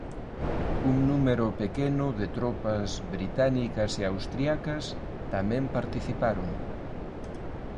Un número pequeno de tropas británicas e austríacas tamén participaron.